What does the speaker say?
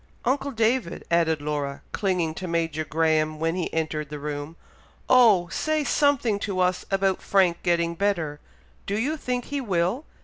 Uncle David!" added Laura, clinging to Major Graham, when he entered the room, "oh! say something to us about Frank getting better, do you think he will?